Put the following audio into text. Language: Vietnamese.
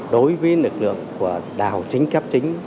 đối với lực lượng của đào chính cấp chính